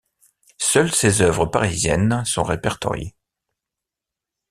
Seules ses œuvres parisiennes sont répertoriées.